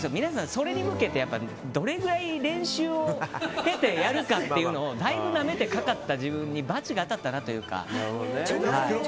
それに向けてどれくらい練習をやるかっていうのをだいぶなめてかかった自分に罰が当たったなというか。